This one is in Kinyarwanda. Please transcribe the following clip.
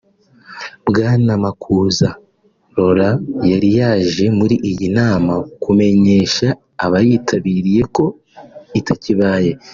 Bwana Makuza Lauren yari yaje muri iyi nama kumenyesha abayitabiriye ko itakibaye